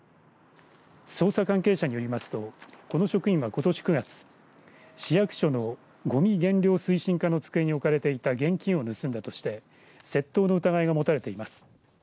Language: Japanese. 捜査関係者によりますとこの職員は、ことし９月市役所のごみ減量推進課の机に置かれていた現金を盗んだとして窃盗の疑いが持たれています。